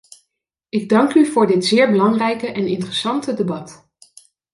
Ik dank u voor dit zeer belangrijke en interessante debat.